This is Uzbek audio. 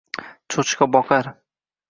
choʼchqa boqar